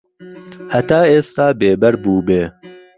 هەتا ئێستا بێبەر بووبێ